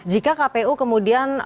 jika kpu kemudian